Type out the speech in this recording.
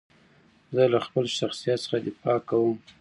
زه له خپل شخصیت څخه دفاع کوم.